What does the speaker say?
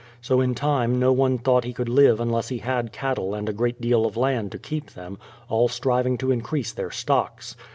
So in time no one thought he could live unless he had cattle and a great deal of land to keep them, all striving to increase their stocks.